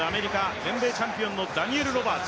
全米チャンピオンのダニエル・ロバーツ。